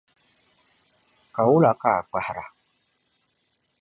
Ka wula ka a kpahira.